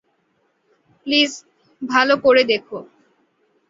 Please, ভালো করে দেখো।